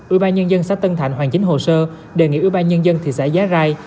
ủy ban nhân dân xã tân thạnh hoàn chính hồ sơ đề nghị ủy ban nhân dân thị xã gia rai